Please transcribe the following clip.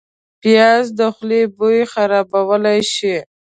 پیاز د خولې بوی خرابولی شي